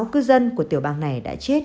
ba mươi sáu cư dân của tiểu bang này đã chết